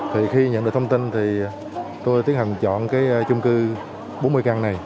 thì khi nhận được thông tin thì tôi tiến hành chọn cái chung cư bốn mươi căn này